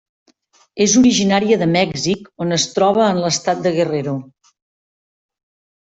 És originària de Mèxic, on es troba en l'estat de Guerrero.